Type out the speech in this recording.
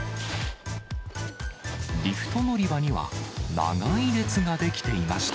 リフト乗り場には、長い列が出来ていました。